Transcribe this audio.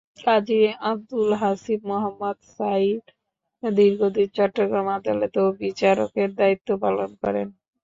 কাজী আবদুল হাসিব মোহাম্মদ সাঈদ দীর্ঘদিন চট্টগ্রাম আদালতেও বিচারকের দায়িত্ব পালন করেন।